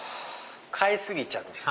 買い過ぎちゃうんです。